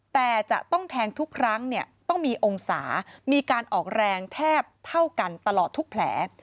แต่จะต้องแทงทุกครั้งเนี่ยต้องมีองศามีการออกแรงแทบเท่ากันตลอดทุกแผล